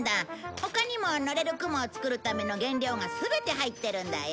他にも乗れる雲を作るための原料が全て入ってるんだよ。